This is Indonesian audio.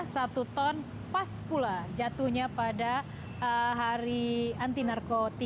satu ton pas pula jatuhnya pada hari anti narkotika